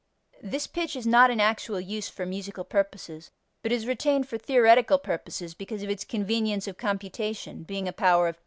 This pitch is not in actual use for musical purposes, but is retained for theoretical purposes because of its convenience of computation (being a power of 2).